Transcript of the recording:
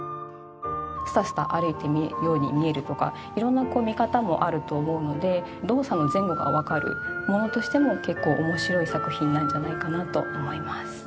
スタスタ歩いてるように見えるとかいろんな見方もあると思うので動作の前後がわかるものとしても結構面白い作品なんじゃないかなと思います。